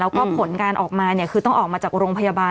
แล้วก็ผลการออกมาเนี่ยคือต้องออกมาจากโรงพยาบาล